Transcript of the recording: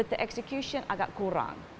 tapi eksekusi agak kurang